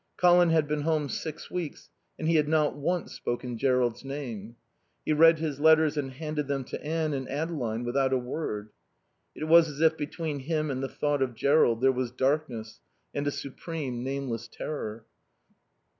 Colin had been home six weeks and he had not once spoken Jerrold's name. He read his letters and handed them to Anne and Adeline without a word. It was as if between him and the thought of Jerrold there was darkness and a supreme, nameless terror.